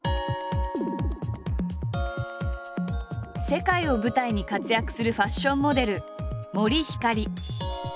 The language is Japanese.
世界を舞台に活躍するファッションモデル森星。